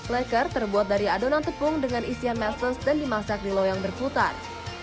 leker terbuat dari adonan tepung dengan isian merces dan dimasak di loyang berputar